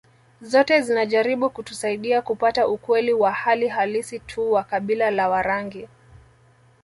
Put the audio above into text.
Zote zinajaribu kutusaidia kupata ukweli wa hali halisi tu wa kabila la Warangi